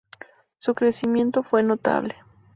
Su crecimiento fue notable.